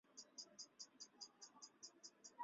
为三国时期蜀汉重要将领张飞之长女。